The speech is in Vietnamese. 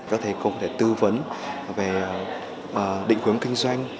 các thầy cũng có thể tư vấn về định quyếm kinh doanh